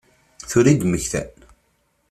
Tura i d-mmektan?